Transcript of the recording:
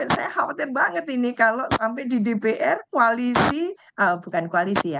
saya khawatir banget ini kalau sampai di dpr koalisi bukan koalisi ya